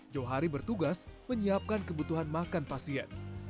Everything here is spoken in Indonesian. jauhari bertugas menyiapkan kebutuhan makan pasien